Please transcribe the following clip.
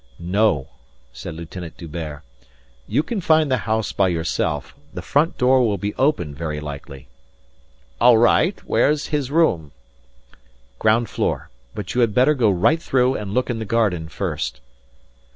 "No," said Lieutenant D'Hubert. "You can find the house by yourself. The front door will be open very likely." "All right. Where's his room?" "Ground floor. But you had better go right through and look in the garden first."